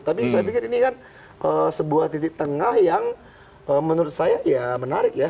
tapi saya pikir ini kan sebuah titik tengah yang menurut saya ya menarik ya